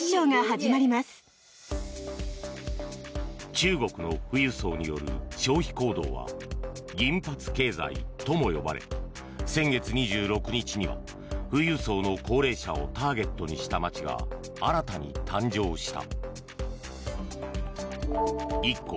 中国の富裕層による消費行動は銀髪経済とも呼ばれ先月２６日には富裕層の高齢者をターゲットにした街が新たに誕生した。